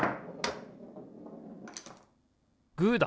グーだ！